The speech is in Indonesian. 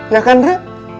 ya kan ra